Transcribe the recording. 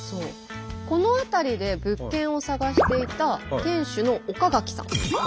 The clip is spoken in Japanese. この辺りで物件を探していた店主の岡垣さん。